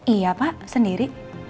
iya pak sendiri